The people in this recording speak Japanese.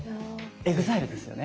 ＥＸＩＬＥですよね？